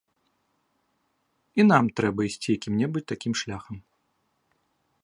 І нам трэба ісці якім-небудзь такім шляхам.